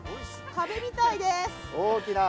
壁みたいです。